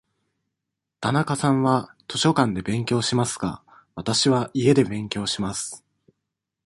田中さんは図書館で勉強しますが、わたしは家で勉強します。